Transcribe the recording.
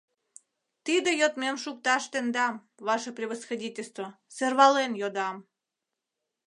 Тиде йодмем шукташ тендам, Ваше превосходительство, сӧрвален йодам.